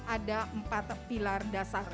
ada empat pilar dasar